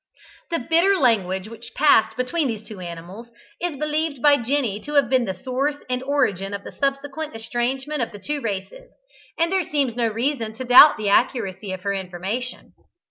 The bitter language which passed between these two animals is believed by Jenny to have been the source and origin of the subsequent estrangement of the two races, and there seems no reason to doubt the accuracy of her information.